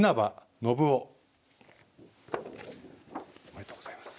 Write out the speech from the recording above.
おめでとうございます。